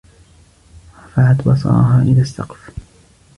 رفعت بصرها إلى السّقف.